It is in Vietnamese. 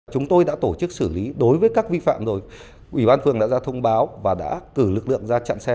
chúng tôi đã tổ chức xử lý đối với các vi phạm rồi ubnd đã ra thông báo và đã cử lực lượng ra chặn xe